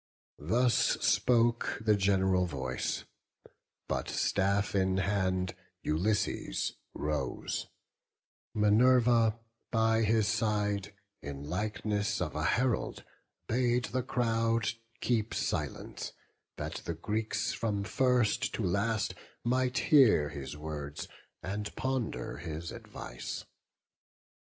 Thus spoke the gen'ral voice: but, staff in hand, Ulysses rose; Minerva by his side, In likeness of a herald, bade the crowd Keep silence, that the Greeks, from first to last, Might hear his words, and ponder his advice.